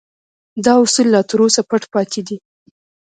دا اصول لا تر اوسه پټ پاتې دي